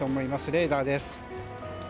レーダーです。